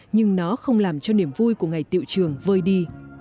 nhưng nó không làm cho niềm vui của ngày tiệu trường vơi đi